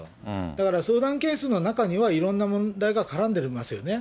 だから相談件数の中には、いろんな問題が絡んでいますよね。